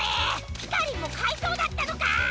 ピカリンもかいとうだったのかー！